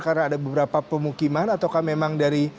karena ada beberapa pemukiman